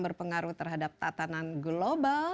berpengaruh terhadap tatanan global